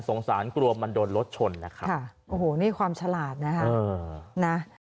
สงสารกลัวมันโดนรถชนค่ะโอ้โหความฉลาดนะ